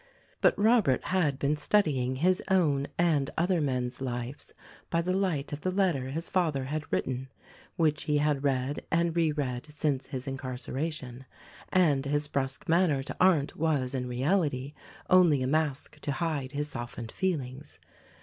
But Robert had been studying his own and other men's lives by the light of the letter his father had written — which he had read and re read since his incarceration, — and his brusque manner to Arndt was in reality only a mask to hide his softened feelings.